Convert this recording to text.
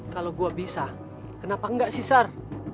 kalau gue bisa kenapa enggak sih sar